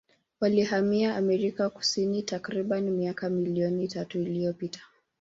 Walihamia Amerika Kusini takribani miaka milioni tatu iliyopita.